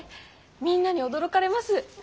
みんなに驚かれます。